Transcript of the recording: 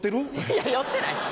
いや酔ってない。